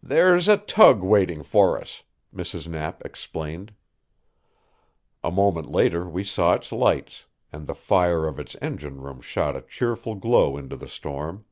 "There's a tug waiting for us," Mrs. Knapp explained. A moment later we saw its lights, and the fire of its engine room shot a cheerful glow into the storm.